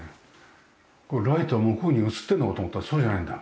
これライトが向こうに映ってるのかと思ったらそうじゃないんだ。